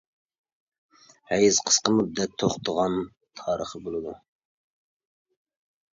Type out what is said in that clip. ھەيز قىسقا مۇددەت توختىغان تارىخى بولىدۇ.